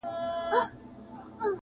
ستا قدم زموږ یې لېمه خو غریبي ده,